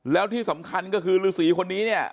แล้วที่สำคัญก็คือฤษีคนนี้เนี่ย